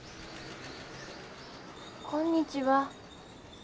こんにちは。